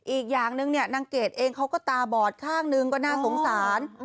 อีกอย่างนึงเนี่ยนางเกดเองเขาก็ตาบอดข้างหนึ่งก็น่าสงสาร